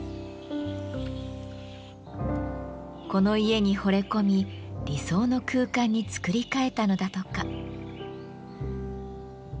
この家にほれ込み理想の空間に造り替えたのだとか。